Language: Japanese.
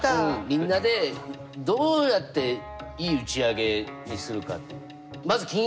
うんみんなでどうやっていい打ち上げにするか。